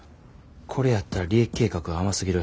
これやったら利益計画が甘すぎる。